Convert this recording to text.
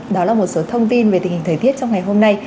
đó là một số thông tin về tình hình thời tiết trong ngày hôm nay